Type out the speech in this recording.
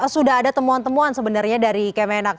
sudah ada temuan temuan sebenarnya dari kemenak